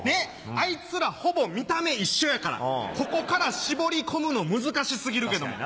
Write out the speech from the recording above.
あいつらほぼ見た目一緒やからここから絞り込むの難し過ぎるけども。